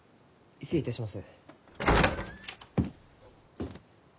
失礼いたします。